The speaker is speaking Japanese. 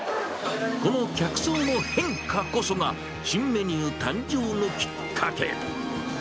この客層の変化こそが、新メニュー誕生のきっかけ。